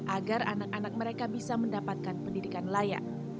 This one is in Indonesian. agar anak anak mereka bisa mendapatkan pendidikan layak